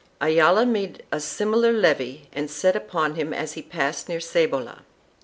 Ayala made a similar levy and set upon him as he passed near Cebolla.